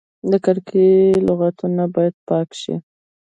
د کرکې لغتونه باید ورک شي.